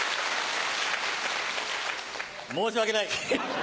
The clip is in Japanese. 申し訳ない。